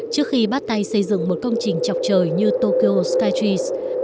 trước khi bắt tay xây dựng một công trình chọc trời như tokyo skytries